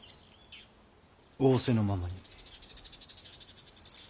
仰せのままに。